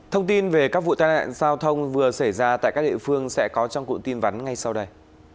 thông tin về các vụ tai nạn giao thông vừa xảy ra tại các địa phương sẽ có trong cụm tin vắn ngay sau đây